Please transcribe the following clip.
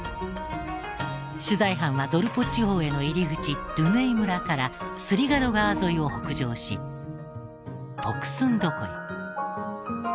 取材班はドルポ地方への入り口ドゥネイ村からスリガド川沿いを北上しポクスンド湖へ。